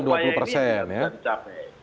nah upaya ini tidak dicapai